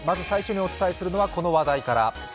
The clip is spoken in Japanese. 最初にお伝えするのはこの話題から。